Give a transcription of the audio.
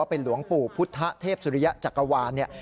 เป็นหลวงปู่พุทธเทพสุริยะจักรวาลเนี่ย